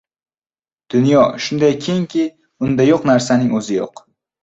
• Dunyo shunday kengki, unda yo‘q narsaning o‘zi yo‘q.